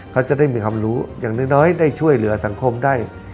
เขาจะได้มีความรู้อย่างน้อยได้ช่วยเหลือสังคมได้